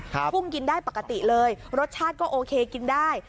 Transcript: กุ้งกินได้ปกติเลยรสชาติก็โอเคกินได้